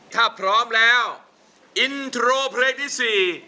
ถ้าพร้อมแล้วอินโทรเพลงที่๔